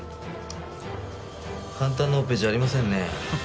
簡単なオペじゃありませんねえ。